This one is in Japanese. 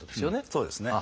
そうですね。